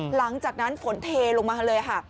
หลังจากนั้นฝนเทลงมาเลยค่ะ